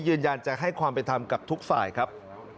ยืนยันจะให้ความเป็นธรรมกับทุกฝ่ายครับ